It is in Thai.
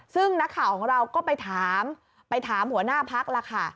ซึ่งนักข่าวของเราก็ไปถามไปถามหัวหน้าพักล่ะค่ะ